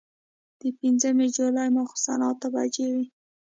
د پنځمې جولايې ماسخوتن اتۀ بجې وې